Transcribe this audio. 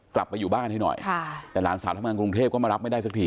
กลับไปอยู่บ้านให้หน่อยแต่หลานสาวทำงานกรุงเทพก็มารับไม่ได้สักที